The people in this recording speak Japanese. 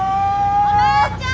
お姉ちゃん！